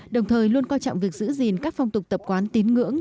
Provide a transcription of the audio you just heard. đồng thời luôn coi trọng việc giữ gìn các phong tục tập quán tín ngưỡng